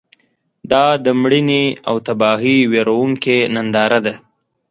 دا د مړینې او تباهۍ ویرونکې ننداره ده.